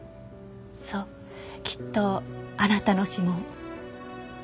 そうきっとあなたの指紋。